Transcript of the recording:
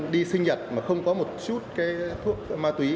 đi sinh nhật mà không có một chút ma túy